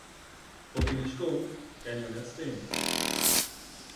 Op ien skonk kinne jo net stean.